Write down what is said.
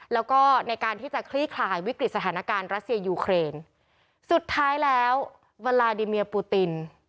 แล้วก็ในการที่จะคลี่คลายวิกฤตสถานการณ์รัสเซียยูเครนสุดท้ายแล้ววาลาดิเมียปูติน